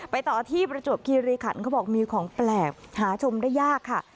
ต่อที่ประจวบคีรีขันเขาบอกมีของแปลกหาชมได้ยากค่ะ